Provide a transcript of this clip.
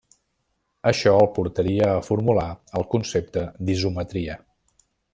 Això el portaria a formular el concepte d'isometria.